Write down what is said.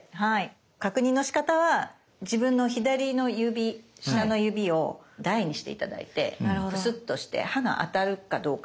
確認のしかたは自分の左の指下の指を台にして頂いてプスッとして刃が当たるかどうか。